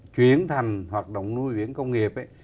chuyển thành hoạt động nuôi biển công nghiệp ấy